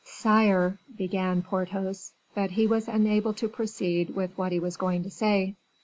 "Sire " began Porthos, but he was unable to proceed with what he was going to say.